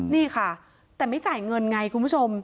นี่ค่ะแต่ไม่จ่ายเงินไงคุณผู้ชม